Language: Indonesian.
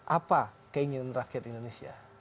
apa keinginan rakyat indonesia